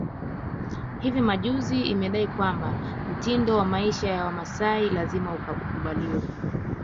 Hivi majuzi imedai kwamba mtindo wa maisha ya Wamasai lazima ukubaliwe